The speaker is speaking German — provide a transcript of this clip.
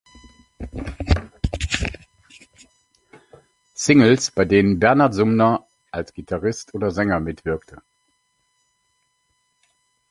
Singles, bei denen Bernard Sumner als Gitarrist oder Sänger mitwirkte